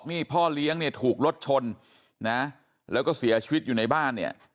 นี่พ่อเลี้ยงถูกรถชนแล้วก็เสียชีวิตอยู่ในบ้าน